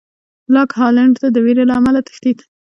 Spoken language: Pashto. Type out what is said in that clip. لاک هالېنډ ته د وېرې له امله تښتېد.